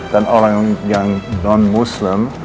orang yang non muslim